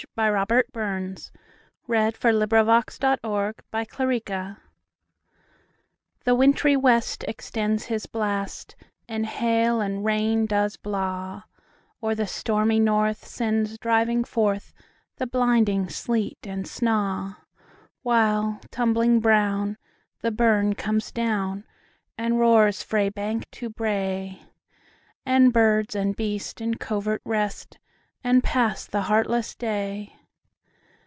The Harvard Classics. 1909–14. 1781 15 . Winter: A Dirge THE WINTRY west extends his blast, And hail and rain does blaw; Or the stormy north sends driving forthThe blinding sleet and snaw:While, tumbling brown, the burn comes down, And roars frae bank to brae; And bird and beast in covert rest, And pass the heartless day.